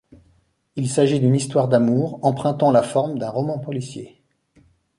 Il s'agit d'une histoire d'amour empruntant la forme d'un roman policier.